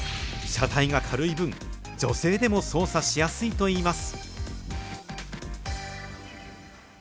車体が軽い分、女性でも操作しやすいといいます。